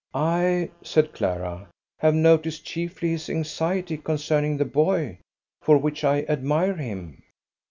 "I," said Clara, "have noticed chiefly his anxiety concerning the boy; for which I admire him."